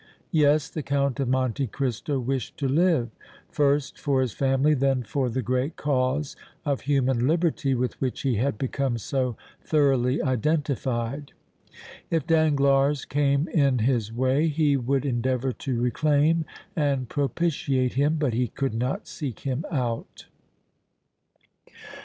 Yes, the Count of Monte Cristo wished to live, first for his family, then for the great cause of human liberty with which he had become so thoroughly identified. If Danglars came in his way he would endeavor to reclaim and propitiate him, but he could not seek him out.